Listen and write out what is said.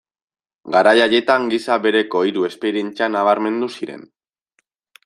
Garai haietan gisa bereko hiru esperientzia nabarmendu ziren.